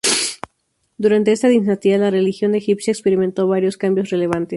Durante esta dinastía, la religión egipcia experimentó varios cambios relevantes.